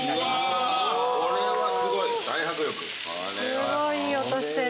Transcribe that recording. すごいいい音してる。